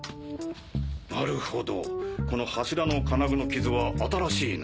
なるほどこの柱の金具のキズは新しいな。